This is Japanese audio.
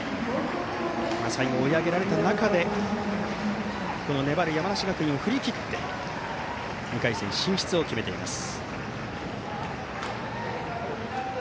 最後、追い上げられた中で粘る山梨学院を振り切って２回戦進出を決めています。